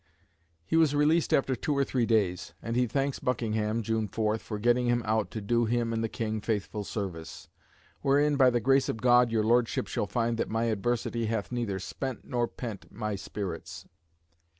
He was released after two or three days, and he thanks Buckingham (June 4) for getting him out to do him and the King faithful service "wherein, by the grace of God, your Lordship shall find that my adversity hath neither spent nor pent my spirits."